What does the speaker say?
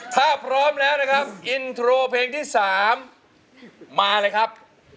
ถ้าพร้อมแล้วนะครับอินโทรเพลงที่๓มาเลยครับ